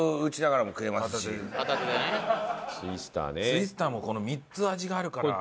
ツイスターもこの３つ味があるから。